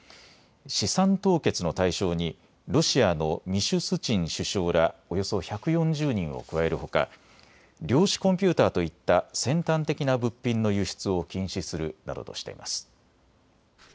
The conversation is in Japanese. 資産凍結の対象にロシアのミシュスチン首相らおよそ１４０人を加えるほか量子コンピューターといった先端的な物品の輸出を禁止するなどとしています。